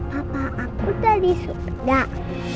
papa aku tadi sudah